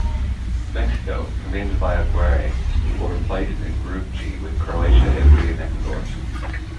Mexico, commanded by Aguirre, were placed in Group G with Croatia, Italy, and Ecuador.